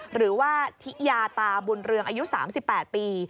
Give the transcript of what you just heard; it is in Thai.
หรือว่าทิยาตาบุญเรืองอายุ๓๘ปี